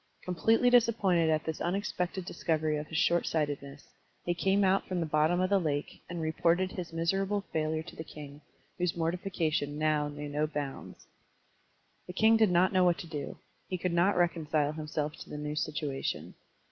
Completely disappointed at this tmexpected discovery of his shortsightedness, he came out from the bottom of the lake, and reported his miserable failure to the king, whose mortification now knew no bounds. The king did not know what to do; he could not reconcile himself to the new situation.